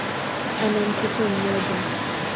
Ana mtoto mmoja.